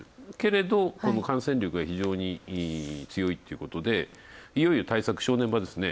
けれど感染力が非常に強いということでいよいよ対策が正念場。